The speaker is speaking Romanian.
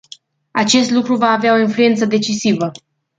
Acest lucru va avea o influență decisivă.